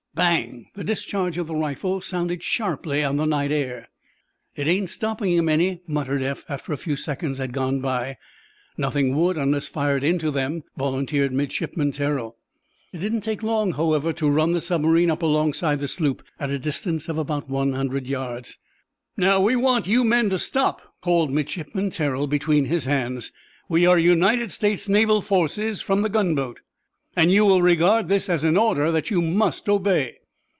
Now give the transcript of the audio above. Bang! The discharge of the rifle sounded sharply on the night air. "It ain't stopping 'em any," muttered Eph, after a few seconds had gone by. "Nothing would, unless fired into them," volunteered Midshipman Terrell. It did not take long, however, to run the submarine up alongside of the sloop, at a distance of about one hundred yards. "Now, we want you men to stop," called Midshipman Terrell, between his hands. "We are United States naval forces, from the gunboat, and you will regard this as an order that you must obey.